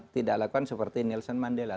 tidak lakukan seperti nielsen mandela